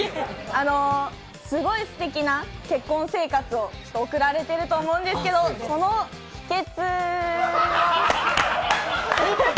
すごいすてきな結婚生活を送られていると思うんですけどその秘けつは？